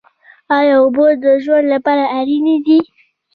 ایا اوبه د ژوند لپاره اړینې دي؟